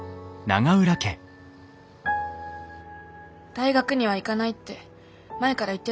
大学には行かないって前がら言ってだよね？